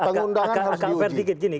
pengundangan harus diuji